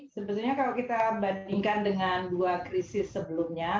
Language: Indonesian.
sebetulnya kalau kita bandingkan dengan dua krisis sebelumnya